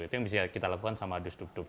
itu yang bisa kita lakukan dengan dus dugduk